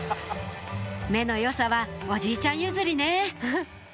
目のよさはおじいちゃん譲りね